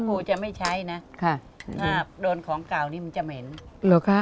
ครูจะไม่ใช้นะค่ะอ่าโดนของเก่านี้มันจะเหม็นเหรอคะ